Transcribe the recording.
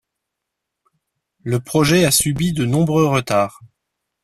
Le projet a subi de nombreux retards.